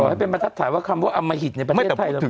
บอกให้มันชัดถ่ายว่าคำว่าอมหิตในประเทศไทย